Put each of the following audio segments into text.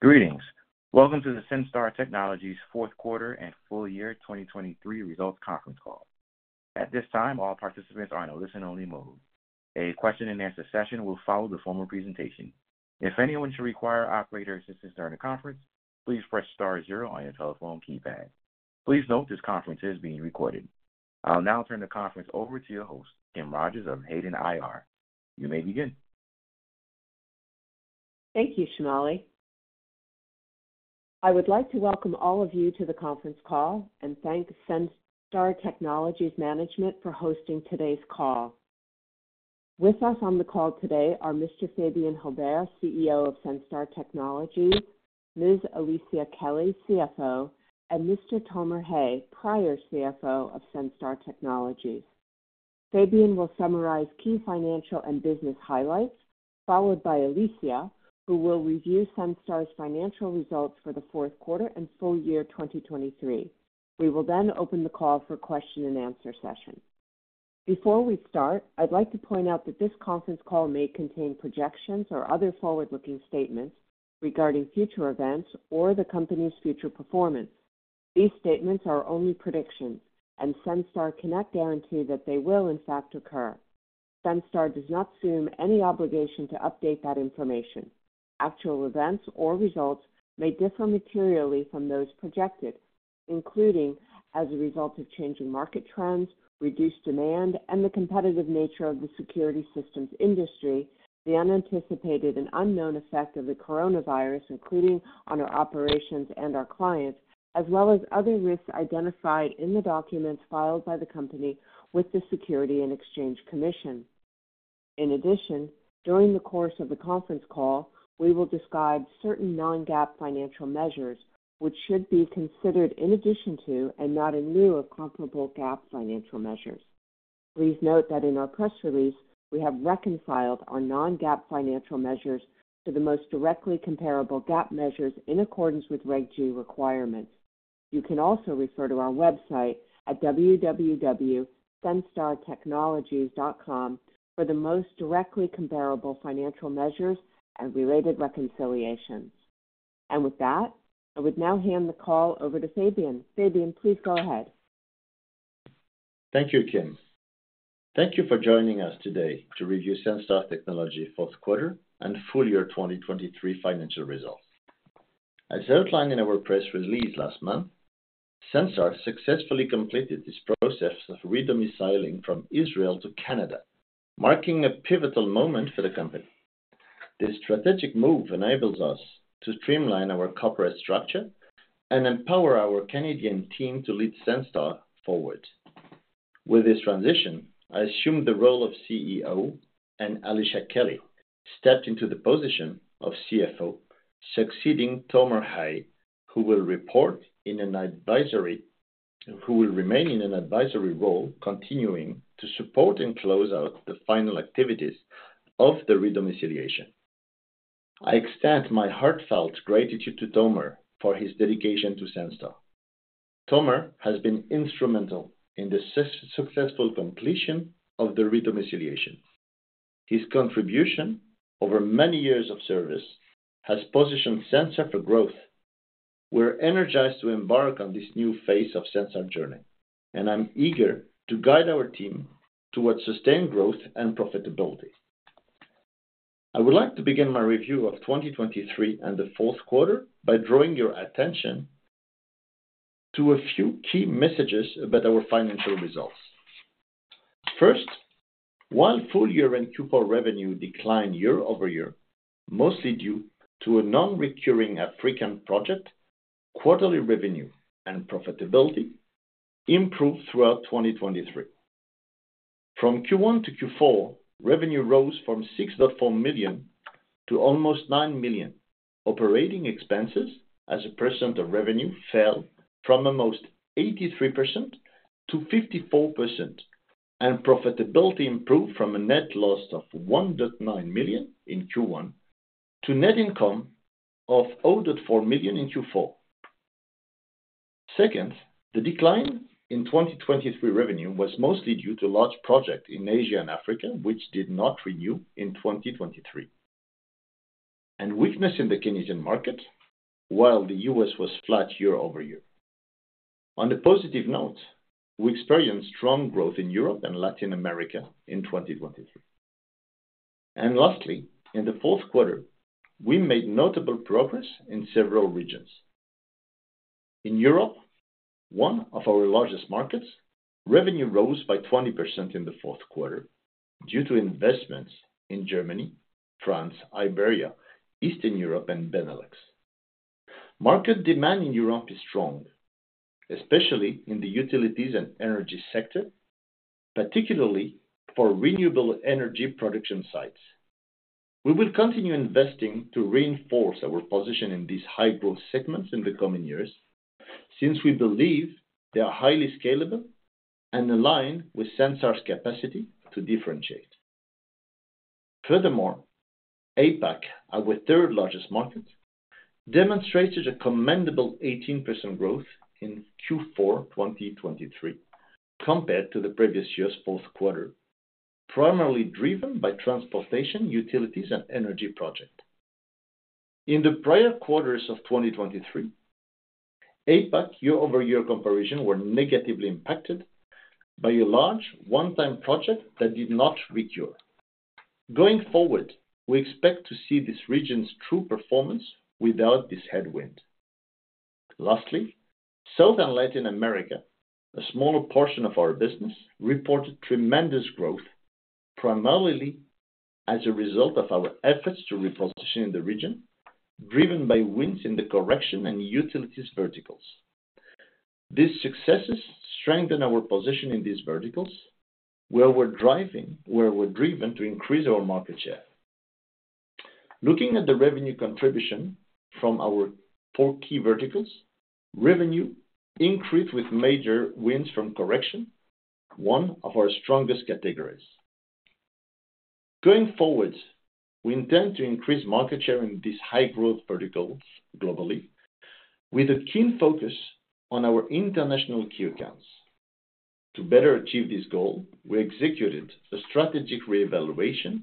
Greetings. Welcome to the Senstar Technologies Fourth Quarter and Full Year 2023 Results Conference Call. At this time, all participants are in a listen-only mode. A question-and-answer session will follow the formal presentation. If anyone should require operator assistance during the conference, please press star zero on your telephone keypad. Please note this conference is being recorded. I'll now turn the conference over to your host, Kim Rogers of Hayden IR. You may begin. Thank you, Shemali. I would like to welcome all of you to the conference call and thank Senstar Technologies Management for hosting today's call. With us on the call today are Mr. Fabien Haubert, CEO of Senstar Technologies, Ms. Alicia Kelly, CFO, and Mr. Tomer Hay, prior CFO of Senstar Technologies. Fabien will summarize key financial and business highlights, followed by Alicia, who will review Senstar's financial results for the fourth quarter and full year 2023. We will then open the call for a question-and-answer session. Before we start, I'd like to point out that this conference call may contain projections or other forward-looking statements regarding future events or the company's future performance. These statements are only predictions, and Senstar cannot guarantee that they will, in fact, occur. Senstar does not assume any obligation to update that information. Actual events or results may differ materially from those projected, including, as a result of changing market trends, reduced demand, and the competitive nature of the security systems industry, the unanticipated and unknown effect of the coronavirus, including on our operations and our clients, as well as other risks identified in the documents filed by the company with the Securities and Exchange Commission. In addition, during the course of the conference call, we will describe certain non-GAAP financial measures, which should be considered in addition to and not in lieu of comparable GAAP financial measures. Please note that in our press release, we have reconciled our non-GAAP financial measures to the most directly comparable GAAP measures in accordance with Reg G requirements. You can also refer to our website at www.senstartechnologies.com for the most directly comparable financial measures and related reconciliations. With that, I would now hand the call over to Fabien. Fabien, please go ahead. Thank you, Kim. Thank you for joining us today to review Senstar Technologies' fourth quarter and full year 2023 financial results. As outlined in our press release last month, Senstar successfully completed this process of redomiciling from Israel to Canada, marking a pivotal moment for the company. This strategic move enables us to streamline our corporate structure and empower our Canadian team to lead Senstar forward. With this transition, I assume the role of CEO, and Alicia Kelly stepped into the position of CFO, succeeding Tomer Hay, who will remain in an advisory role, continuing to support and close out the final activities of the redomiciliation. I extend my heartfelt gratitude to Tomer for his dedication to Senstar. Tomer has been instrumental in the successful completion of the redomiciliation. His contribution over many years of service has positioned Senstar for growth. We're energized to embark on this new phase of Senstar's journey, and I'm eager to guide our team towards sustained growth and profitability. I would like to begin my review of 2023 and the fourth quarter by drawing your attention to a few key messages about our financial results. First, while full year and Q4 revenue decline year-over-year, mostly due to a non-recurring African project, quarterly revenue and profitability improved throughout 2023. From Q1-Q4, revenue rose from $6.4 million to almost $9 million. Operating expenses, as a percent of revenue, fell from almost 83%-54%, and profitability improved from a net loss of $1.9 million in Q1 to net income of $0.4 million in Q4. Second, the decline in 2023 revenue was mostly due to large projects in Asia and Africa, which did not renew in 2023, and weakness in the Canadian market while the U.S. was flat year-over-year. On a positive note, we experienced strong growth in Europe and Latin America in 2023. And lastly, in the fourth quarter, we made notable progress in several regions. In Europe, one of our largest markets, revenue rose by 20% in the fourth quarter due to investments in Germany, France, Iberia, Eastern Europe, and Benelux. Market demand in Europe is strong, especially in the utilities and energy sector, particularly for renewable energy production sites. We will continue investing to reinforce our position in these high-growth segments in the coming years since we believe they are highly scalable and aligned with Senstar's capacity to differentiate. Furthermore, APAC, our third-largest market, demonstrated a commendable 18% growth in Q4 2023 compared to the previous year's fourth quarter, primarily driven by transportation, utilities, and energy projects. In the prior quarters of 2023, APAC year-over-year comparisons were negatively impacted by a large one-time project that did not recur. Going forward, we expect to see this region's true performance without this headwind. Lastly, South and Latin America, a smaller portion of our business, reported tremendous growth, primarily as a result of our efforts to reposition in the region, driven by wins in the corrections and utilities verticals. These successes strengthen our position in these verticals, where we're driven to increase our market share. Looking at the revenue contribution from our four key verticals, revenue increased with major wins from corrections, one of our strongest categories. Going forward, we intend to increase market share in these high-growth verticals globally, with a keen focus on our international key accounts. To better achieve this goal, we executed a strategic reevaluation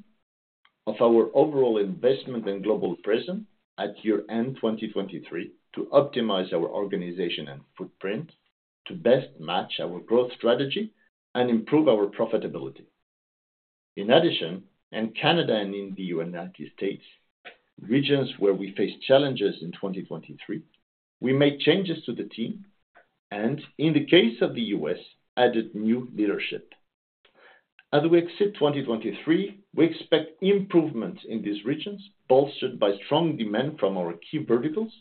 of our overall investment and global presence at year-end 2023 to optimize our organization and footprint, to best match our growth strategy and improve our profitability. In addition, in Canada and in the United States, regions where we faced challenges in 2023, we made changes to the team and, in the case of the U.S., added new leadership. As we exit 2023, we expect improvements in these regions bolstered by strong demand from our key verticals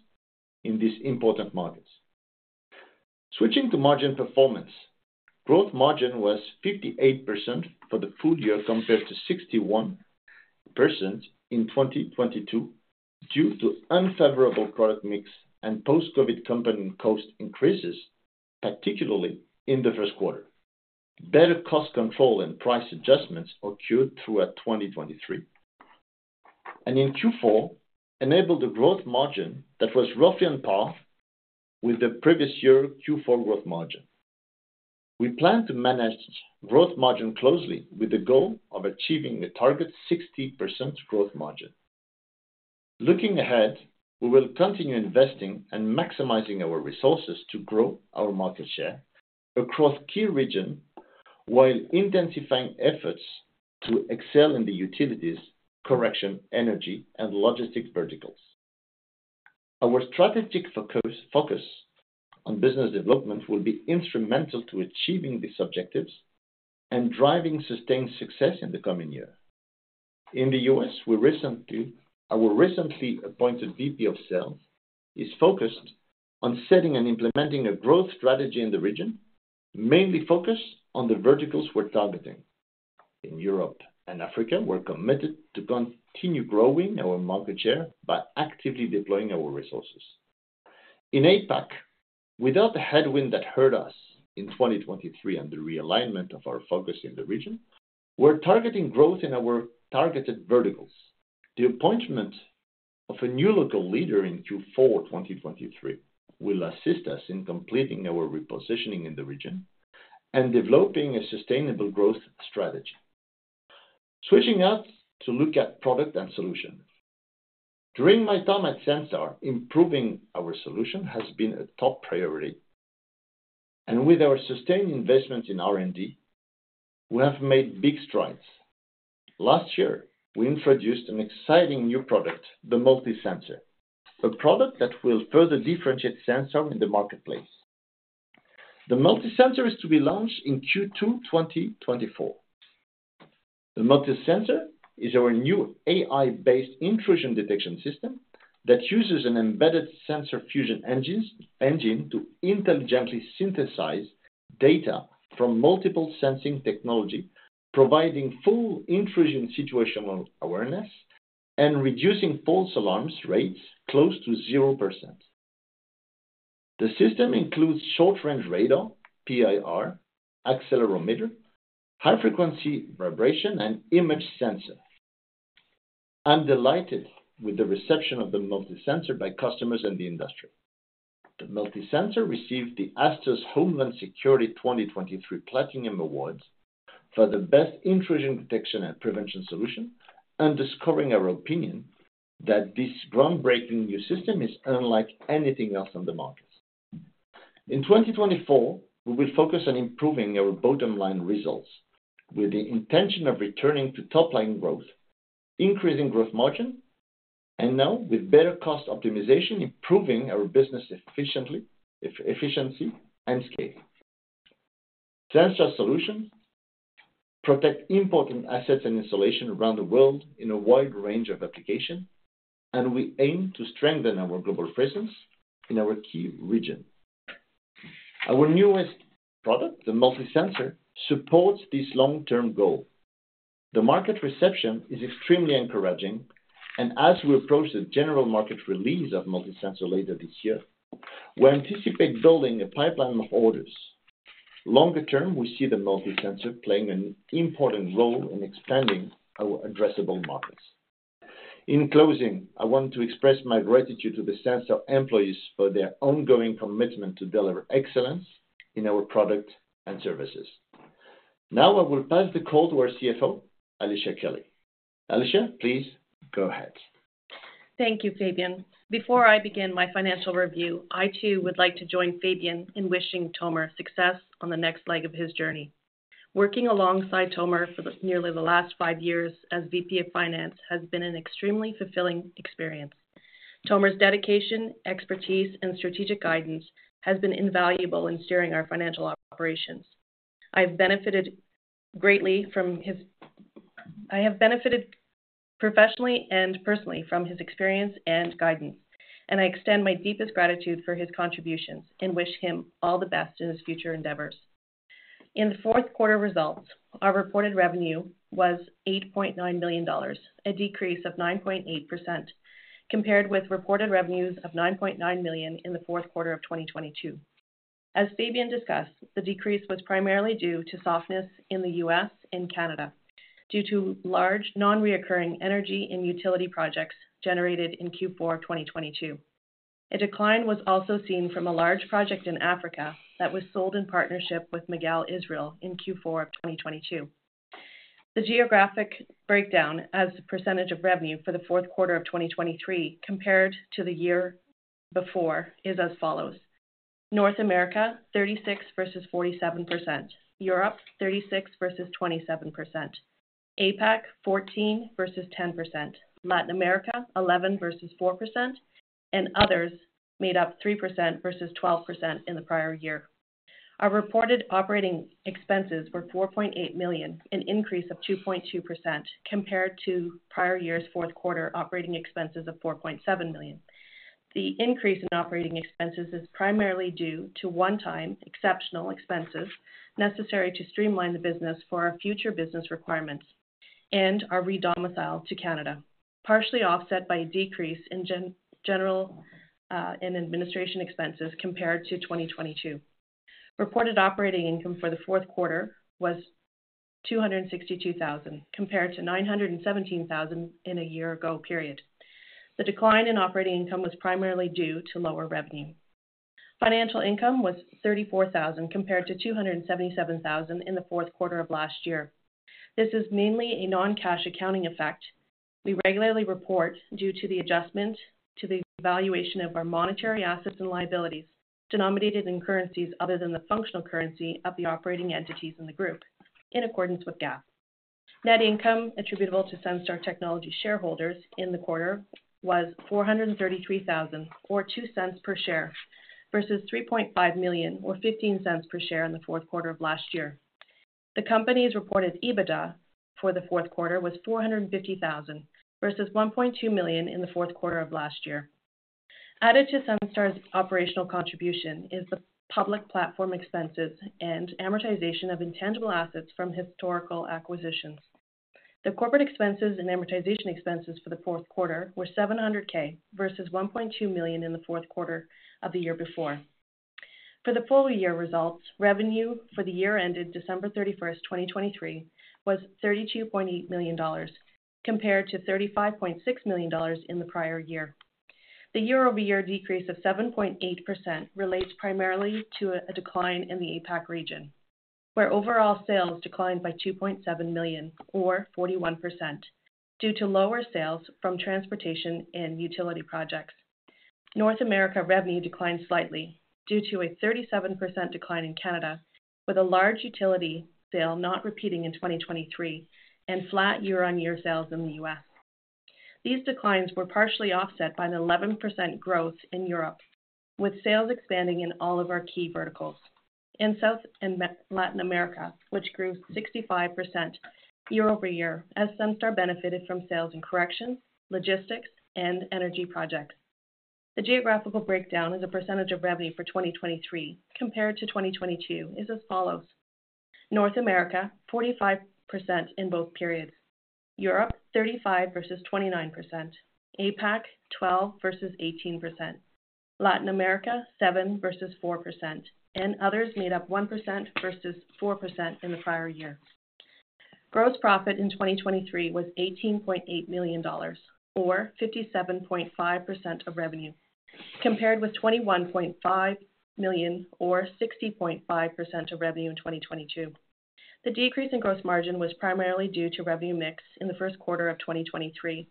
in these important markets. Switching to margin performance, growth margin was 58% for the full year compared to 61% in 2022 due to unfavorable product mix and post-COVID company cost increases, particularly in the first quarter. Better cost control and price adjustments occurred throughout 2023, and in Q4, enabled a growth margin that was roughly on par with the previous year Q4 growth margin. We plan to manage growth margin closely with the goal of achieving a target 60% growth margin. Looking ahead, we will continue investing and maximizing our resources to grow our market share across key regions while intensifying efforts to excel in the utilities, correction, energy, and logistics verticals. Our strategic focus on business development will be instrumental to achieving these objectives and driving sustained success in the coming year. In the U.S., our recently appointed VP of Sales is focused on setting and implementing a growth strategy in the region, mainly focused on the verticals we're targeting. In Europe and Africa, we're committed to continue growing our market share by actively deploying our resources. In APAC, without the headwind that hurt us in 2023 and the realignment of our focus in the region, we're targeting growth in our targeted verticals. The appointment of a new local leader in Q4 2023 will assist us in completing our repositioning in the region and developing a sustainable growth strategy. Switching now to look at product and solution. During my time at Senstar, improving our solution has been a top priority, and with our sustained investments in R&D, we have made big strides. Last year, we introduced an exciting new product, the MultiSensor, a product that will further differentiate Senstar in the marketplace. The MultiSensor is to be launched in Q2 2024. The MultiSensor is our new AI-based intrusion detection system that uses an embedded Sensor Fusion Engine to intelligently synthesize data from multiple sensing technology, providing full intrusion situational awareness and reducing false alarms rates close to 0%. The system includes short-range radar, PIR, accelerometer, high-frequency vibration, and image sensor. I'm delighted with the reception of the MultiSensor by customers and the industry. The MultiSensor received the ASTORS Homeland Security 2023 Platinum Awards for the best intrusion detection and prevention solution, underscoring our opinion that this groundbreaking new system is unlike anything else on the markets. In 2024, we will focus on improving our bottom-line results with the intention of returning to top-line growth, increasing growth margin, and now, with better cost optimization, improving our business efficiency and scale. Senstar's solutions protect important assets and installations around the world in a wide range of applications, and we aim to strengthen our global presence in our key region. Our newest product, the MultiSensor, supports this long-term goal. The market reception is extremely encouraging, and as we approach the general market release of MultiSensor later this year, we anticipate building a pipeline of orders. Longer term, we see the MultiSensor playing an important role in expanding our addressable markets. In closing, I want to express my gratitude to the Senstar employees for their ongoing commitment to deliver excellence in our product and services. Now, I will pass the call to our CFO, Alicia Kelly. Alicia, please go ahead. Thank you, Fabien. Before I begin my financial review, I too would like to join Fabien in wishing Tomer success on the next leg of his journey. Working alongside Tomer for nearly the last five years as VP of Finance has been an extremely fulfilling experience. Tomer's dedication, expertise, and strategic guidance have been invaluable in steering our financial operations. I have benefited greatly from his experience and guidance, professionally and personally, and I extend my deepest gratitude for his contributions and wish him all the best in his future endeavors. In the fourth quarter results, our reported revenue was $8.9 million, a decrease of 9.8% compared with reported revenues of $9.9 million in the fourth quarter of 2022. As Fabien discussed, the decrease was primarily due to softness in the U.S. and Canada due to large non-recurring energy and utility projects generated in Q4 2022. A decline was also seen from a large project in Africa that was sold in partnership with Magal Israel in Q4 of 2022. The geographic breakdown as percentage of revenue for the fourth quarter of 2023 compared to the year before is as follows: North America, 36% versus 47%; Europe, 36% versus 27%; APAC, 14% versus 10%; Latin America, 11% versus 4%; and others made up 3% versus 12% in the prior year. Our reported operating expenses were $4.8 million, an increase of 2.2% compared to prior year's fourth quarter operating expenses of $4.7 million. The increase in operating expenses is primarily due to one-time exceptional expenses necessary to streamline the business for our future business requirements and our redomiciliation to Canada, partially offset by a decrease in general and administrative expenses compared to 2022. Reported operating income for the fourth quarter was $262,000 compared to $917,000 a year ago. The decline in operating income was primarily due to lower revenue. Financial income was $34,000 compared to $277,000 in the fourth quarter of last year. This is mainly a non-cash accounting effect we regularly report due to the adjustment to the valuation of our monetary assets and liabilities denominated in currencies other than the functional currency of the operating entities in the group, in accordance with GAAP. Net income attributable to Senstar Technologies shareholders in the quarter was $433,000 or $0.02 per share versus $3.5 million or $0.15 per share in the fourth quarter of last year. The company's reported EBITDA for the fourth quarter was $450,000 versus $1.2 million in the fourth quarter of last year. Added to Senstar's operational contribution is the public platform expenses and amortization of intangible assets from historical acquisitions. The corporate expenses and amortization expenses for the fourth quarter were $700,000 versus $1.2 million in the fourth quarter of the year before. For the full year results, revenue for the year ended December 31st, 2023, was $32.8 million compared to $35.6 million in the prior year. The year-over-year decrease of 7.8% relates primarily to a decline in the APAC region, where overall sales declined by $2.7 million or 41% due to lower sales from transportation and utility projects. North America revenue declined slightly due to a 37% decline in Canada, with a large utility sale not repeating in 2023 and flat year-on-year sales in the U.S. These declines were partially offset by an 11% growth in Europe, with sales expanding in all of our key verticals. In South and Latin America, which grew 65% year-over-year as Senstar benefited from sales in correction, logistics, and energy projects. The geographical breakdown as a percentage of revenue for 2023 compared to 2022 is as follows: North America, 45% in both periods. Europe, 35% versus 29%. APAC, 12% versus 18%. Latin America, 7% versus 4%. And others made up 1% versus 4% in the prior year. Gross profit in 2023 was $18.8 million or 57.5% of revenue compared with $21.5 million or 60.5% of revenue in 2022. The decrease in gross margin was primarily due to revenue mix in the first quarter of 2023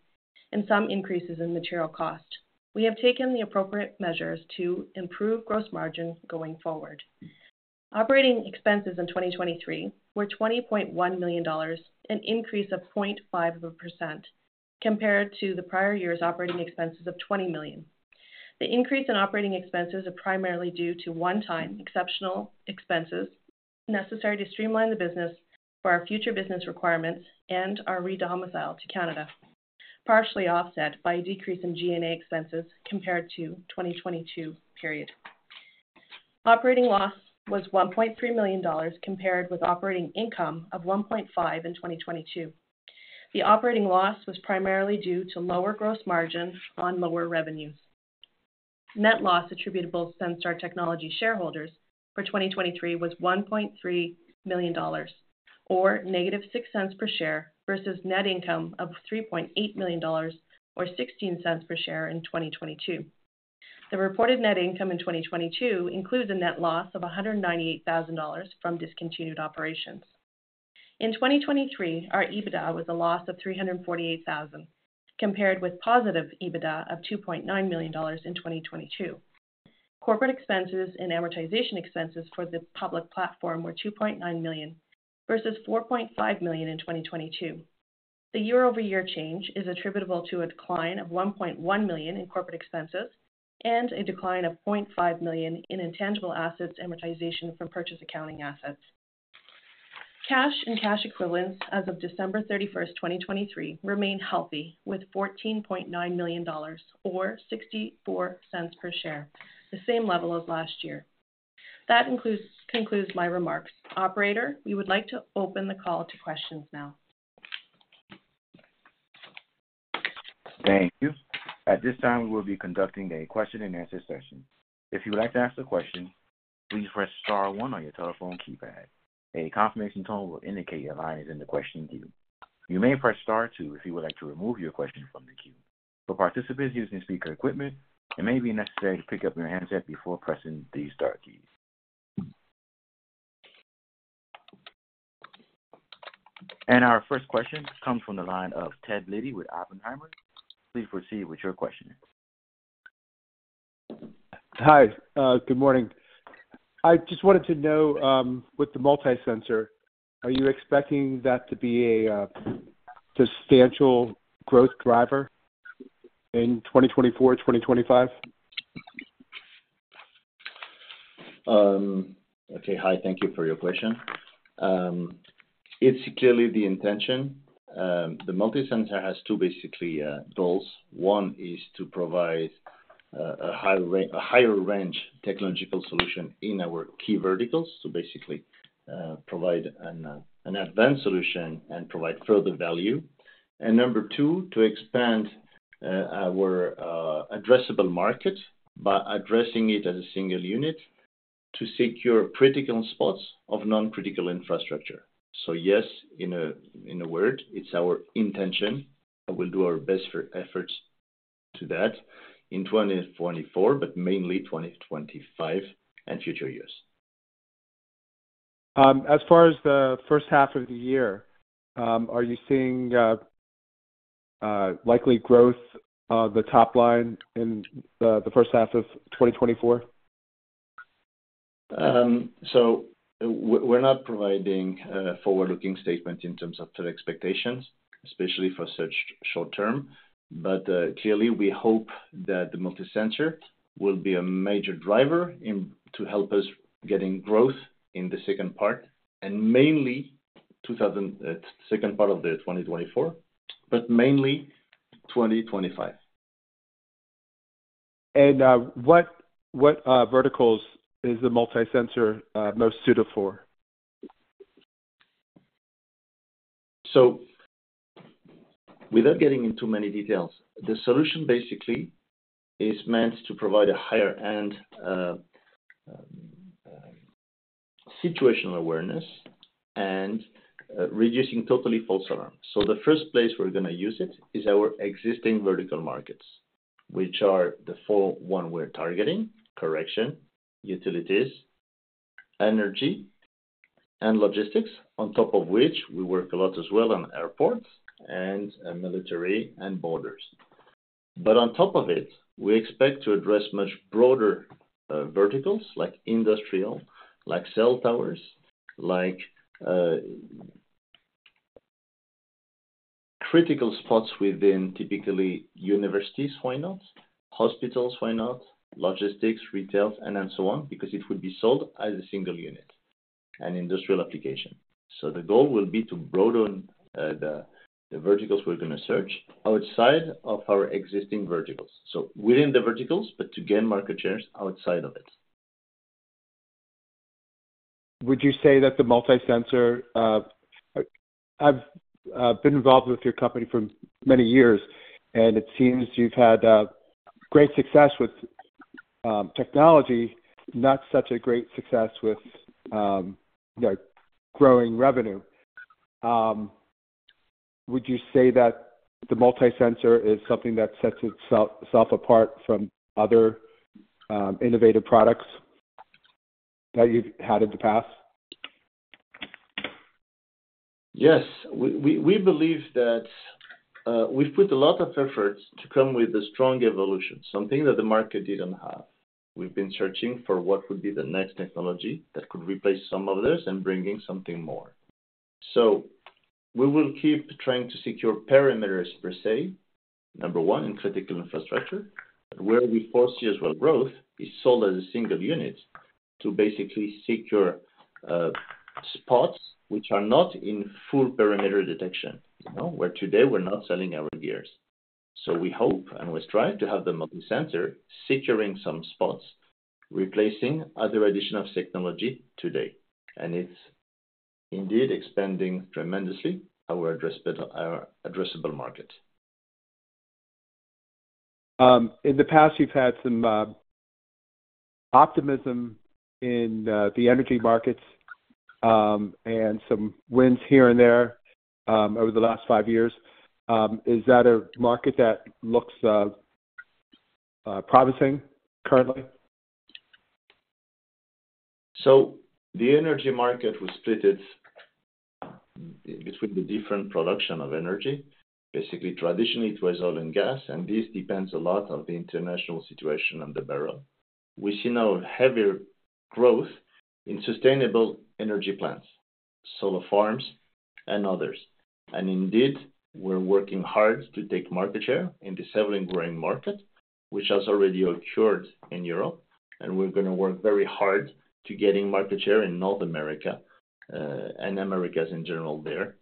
and some increases in material cost. We have taken the appropriate measures to improve gross margin going forward. Operating expenses in 2023 were $20.1 million, an increase of 0.5% compared to the prior year's operating expenses of $20 million. The increase in operating expenses is primarily due to one-time exceptional expenses necessary to streamline the business for our future business requirements and our redomicile to Canada, partially offset by a decrease in G&A expenses compared to 2022. Operating loss was $1.3 million compared with operating income of $1.5 in 2022. The operating loss was primarily due to lower gross margin on lower revenues. Net loss attributable to Senstar Technologies shareholders for 2023 was $1.3 million or -$0.06 per share versus net income of $3.8 million or -$0.16 per share in 2022. The reported net income in 2022 includes a net loss of $198,000 from discontinued operations. In 2023, our EBITDA was a loss of $348,000 compared with positive EBITDA of $2.9 million in 2022. Corporate expenses and amortization expenses for the public platform were $2.9 million versus $4.5 million in 2022. The year-over-year change is attributable to a decline of $1.1 million in corporate expenses and a decline of $0.5 million in intangible assets amortization from purchase accounting assets. Cash and cash equivalents as of December 31st, 2023, remain healthy with $14.9 million or -$0.64 per share, the same level as last year. That concludes my remarks. Operator, we would like to open the call to questions now. Thank you. At this time, we will be conducting a question-and-answer session. If you would like to ask a question, please press star one on your telephone keypad. A confirmation tone will indicate your line is in the question queue. You may press star two if you would like to remove your question from the queue. For participants using speaker equipment, it may be necessary to pick up your handset before pressing the star key. Our first question comes from the line of Ken Liddy with Oppenheimer. Please proceed with your question. Hi. Good morning. I just wanted to know, with the MultiSensor, are you expecting that to be a substantial growth driver in 2024, 2025? Okay. Hi. Thank you for your question. It's clearly the intention. The MultiSensor has two, basically, goals. One is to provide a higher-range technological solution in our key verticals, to basically provide an advanced solution and provide further value. And number two, to expand our addressable market by addressing it as a single unit to secure critical spots of non-critical infrastructure. So yes, in a word, it's our intention. We'll do our best efforts to that in 2024, but mainly 2025 and future years. As far as the first half of the year, are you seeing likely growth of the top line in the first half of 2024? We're not providing forward-looking statements in terms of expectations, especially for such short term. Clearly, we hope that the MultiSensor will be a major driver to help us get in growth in the second part, and mainly second part of the 2024, but mainly 2025. What verticals is the MultiSensor most suited for? So without getting into many details, the solution basically is meant to provide a higher-end situational awareness and reducing totally false alarms. So the first place we're going to use it is our existing vertical markets, which are the four we're targeting: correction, utilities, energy, and logistics, on top of which we work a lot as well on airports and military and borders. But on top of it, we expect to address much broader verticals like industrial, like cell towers, like critical spots within, typically, universities, why not? Hospitals, why not? Logistics, retail, and so on, because it would be sold as a single unit and industrial application. So the goal will be to broaden the verticals we're going to search outside of our existing verticals, so within the verticals, but to gain market shares outside of it. Would you say that the MultiSensor I've been involved with your company for many years, and it seems you've had great success with technology, not such a great success with growing revenue. Would you say that the MultiSensor is something that sets itself apart from other innovative products that you've had in the past? Yes. We believe that we've put a lot of efforts to come with a strong evolution, something that the market didn't have. We've been searching for what would be the next technology that could replace some of those and bringing something more. So we will keep trying to secure perimeters, per se, number one, in critical infrastructure. Where we foresee as well growth is sold as a single unit to basically secure spots which are not in full perimeter detection, where today we're not selling our gears. So we hope and we strive to have the MultiSensor securing some spots, replacing other additional technology today. And it's indeed expanding tremendously our addressable market. In the past, you've had some optimism in the energy markets and some wins here and there over the last five years. Is that a market that looks promising currently? So the energy market was split between the different production of energy. Basically, traditionally, it was oil and gas, and this depends a lot on the international situation and the barrel. We see now heavier growth in sustainable energy plants, solar farms, and others. And indeed, we're working hard to take market share in the severely growing market, which has already occurred in Europe. And we're going to work very hard to get in market share in North America and Americas in general there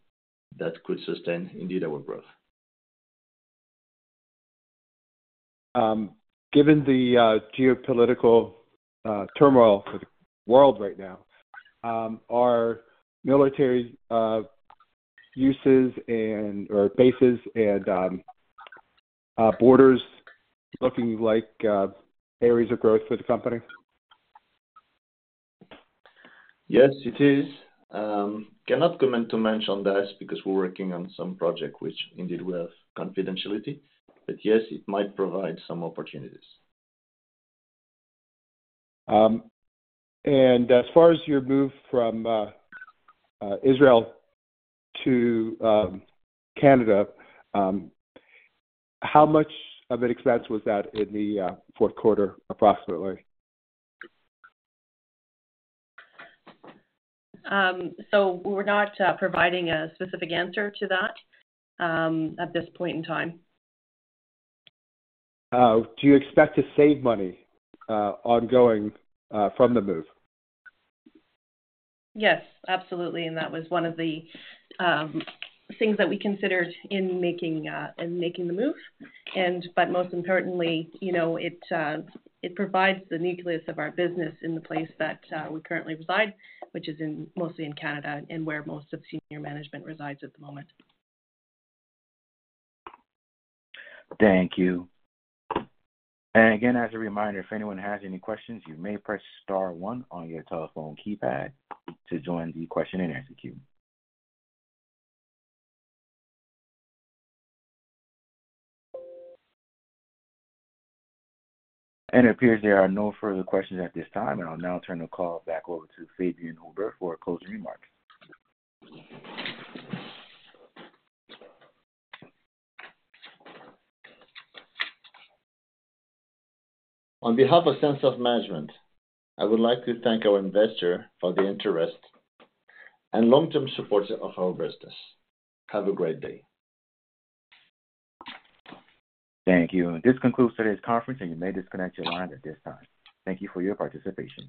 that could sustain, indeed, our growth. Given the geopolitical turmoil for the world right now, are military bases and borders looking like areas of growth for the company? Yes, it is. Cannot comment too much on this because we're working on some project which indeed will have confidentiality. But yes, it might provide some opportunities. As far as your move from Israel to Canada, how much of an expense was that in the fourth quarter, approximately? We're not providing a specific answer to that at this point in time. Do you expect to save money ongoing from the move? Yes, absolutely. That was one of the things that we considered in making the move. But most importantly, it provides the nucleus of our business in the place that we currently reside, which is mostly in Canada and where most of senior management resides at the moment. Thank you. And again, as a reminder, if anyone has any questions, you may press star one on your telephone keypad to join the question-and-answer queue. And it appears there are no further questions at this time. And I'll now turn the call back over to Fabien Haubert for closing remarks. On behalf of Senstar Management, I would like to thank our investor for the interest and long-term support of our business. Have a great day. Thank you. This concludes today's conference, and you may disconnect your line at this time. Thank you for your participation.